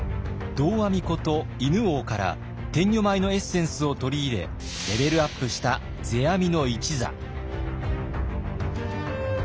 道阿弥こと犬王から天女舞のエッセンスを取り入れレベルアップした世阿弥の一座。